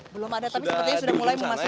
belum ada tapi sepertinya sudah mulai memasuki